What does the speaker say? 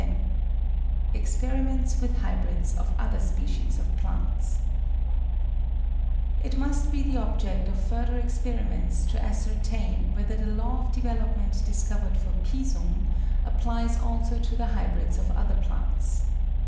] UJ|LI3#ARY 340 APPENDIX Experiments with Hybrids of other Species of Plants It must be the object of further experiments to ascertain whether the law of development discovered for Pisum applies also to the hybrids of other plants.